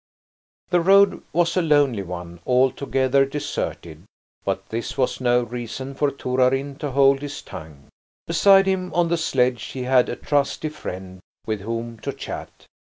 The road was a lonely one, altogether deserted, but this was no reason for Torarin to hold his tongue. Beside him on the sledge he had a trusty friend with whom to chat.